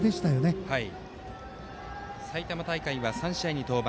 渡邉は埼玉大会は３試合に登板。